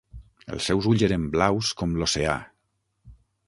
Els seus ulls eren blaus com l'oceà.